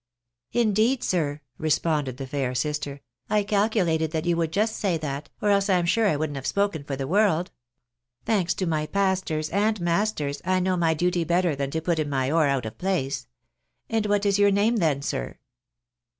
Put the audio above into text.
" Indeed, sir," responded the fair sister, " I calculated that you would just say that, or else I'm sure I wouldn't have spoken for the world. Thanks to my pastors and masters, I know my duty better than to put in my oar out of place. And what is your name then, sir?"